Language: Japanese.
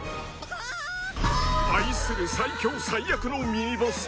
［愛する最強最悪のミニボス